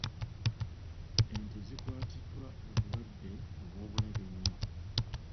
Ente zikwatiddwa obulwadde obw'obulabe ennyo.